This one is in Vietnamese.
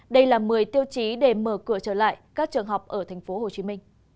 đây là một mươi tiêu chí để mở cửa trở lại các trường học ở tp hcm